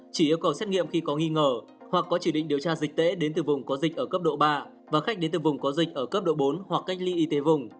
chỉ yêu cầu xét nghiệm khi có nghi ngờ hoặc có chỉ định điều tra dịch tễ đến từ vùng có dịch ở cấp độ ba và khách đến từ vùng có dịch ở cấp độ bốn hoặc cách ly y tế vùng